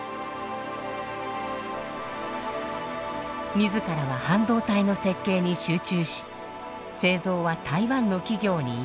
自らは半導体の設計に集中し製造は台湾の企業に委託。